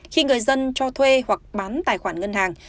khi người dân cho thuê hoặc bán tài khoản ngân hàng